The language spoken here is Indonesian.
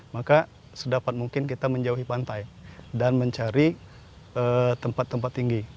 maka sedapat mungkin kita menjauhi pantai dan mencari tempat tempat tinggi